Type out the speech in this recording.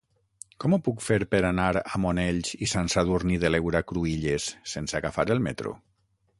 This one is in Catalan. Com ho puc fer per anar a Monells i Sant Sadurní de l'Heura Cruïlles sense agafar el metro?